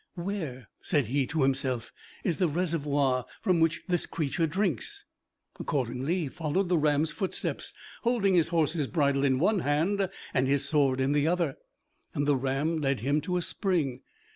"Where," said he to himself, "is the reservoir from which this creature drinks?" Accordingly he followed the ram's footsteps, holding his horse's bridle in one hand and his sword in the other, and the ram led him to a spring.